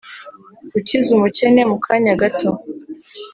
gukiza umukene mu kanya gato